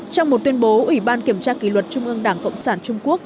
trong một tuyên bố ủy ban kiểm tra kỷ luật trung ương đảng cộng sản trung quốc